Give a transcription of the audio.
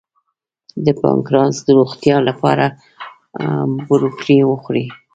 د پانکراس د روغتیا لپاره بروکولي وخورئ